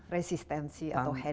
resistensi atau headache nya